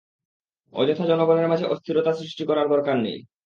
অযথা জনগণের মাঝে অস্থিরতা সৃষ্টি করার দরকার নেই।